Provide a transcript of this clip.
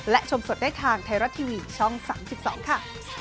และชมสดได้ทางไทยรัฐทีวีช่อง๓๒ค่ะ